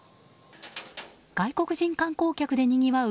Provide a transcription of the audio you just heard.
外国人観光客でにぎわう